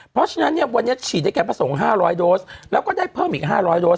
เพราะฉะนั้นเนี่ยวันนี้ฉีดได้แก่พระสงฆ์๕๐๐โดสแล้วก็ได้เพิ่มอีก๕๐๐โดส